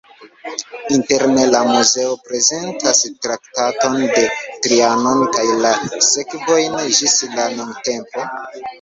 Interne la muzeo prezentas Traktaton de Trianon kaj la sekvojn ĝis la nuntempo.